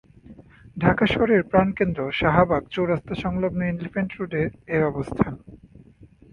ঢাকা শহরের প্রাণকেন্দ্র শাহবাগ চৌরাস্তা সংলগ্ন এলিফ্যান্ট রোডে এর অবস্থান।